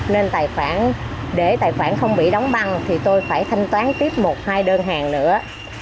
nên để tài khoản không bị đóng băng thì tôi phải thanh toán tiếp một hai đơn hàng nữa